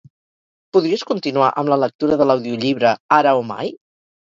Podries continuar amb la lectura de l'audiollibre "Ara o mai"?